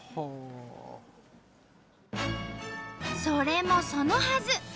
それもそのはず！